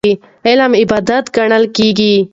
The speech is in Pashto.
علم عبادت ګڼل کېږي.